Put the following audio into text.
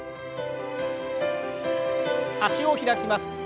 脚を開きます。